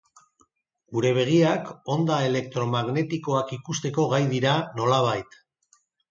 Gure begiak onda elektromagnetikoak ikusteko gai dira, nolabait.